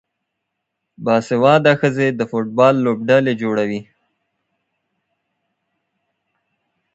باسواده ښځې د فوټبال لوبډلې جوړوي.